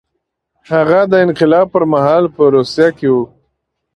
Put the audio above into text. هغه د انقلاب پر مهال په روسیه کې و.